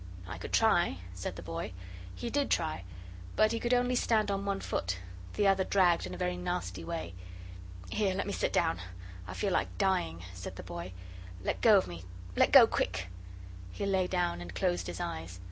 "I could try," said the boy. He did try. But he could only stand on one foot; the other dragged in a very nasty way. "Here, let me sit down. I feel like dying," said the boy. "Let go of me let go, quick " He lay down and closed his eyes.